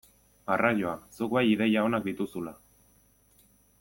Arraioa, zuk bai ideia onak dituzula!